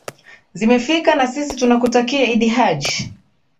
zimefika na sisi tunakutakia idd hajj